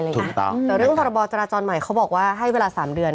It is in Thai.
แต่เรื่องพรบจราจรใหม่เขาบอกว่าให้เวลา๓เดือน